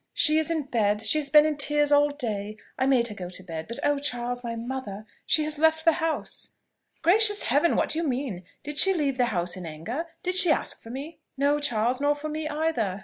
"She is in bed; she has been in tears all day; I made her go to bed. But, oh, Charles! my mother! she has left the house." "Gracious Heaven! what do you mean? Did she leave the house in anger? Did she ask for me?" "No, Charles: nor for me either!"